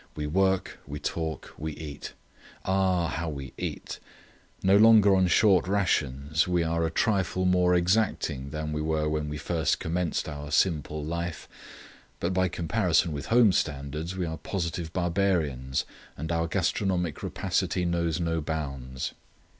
We work; we talk; we eat. Ah, how we eat! No longer on short rations, we are a trifle more exacting than we were when we first commenced our 'simple life,' but by comparison with home standards we are positive barbarians, and our gastronomic rapacity knows no bounds.